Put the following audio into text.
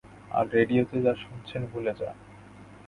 আর রেডিওতে যা শুনেছেন, ভুলে যান।